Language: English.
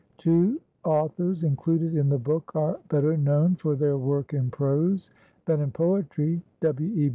Two authors included in the book are better known for their work in prose than in poetry: W.E.